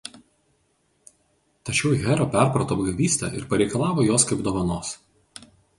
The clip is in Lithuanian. Tačiau Hera perprato apgavystę ir pareikalavo jos kaip dovanos.